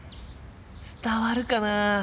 伝わるかな？